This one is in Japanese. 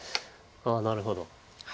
ああなるほど。